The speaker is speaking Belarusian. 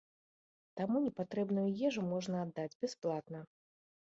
Таму непатрэбную ежу можна аддаць бясплатна.